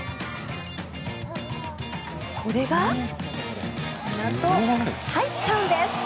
これがなんと入っちゃうんです。